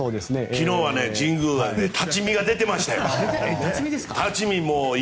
昨日は神宮は立ち見が出ていましたよ。